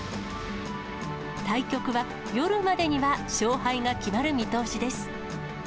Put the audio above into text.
対局は夜までには勝敗が決まる見通しです。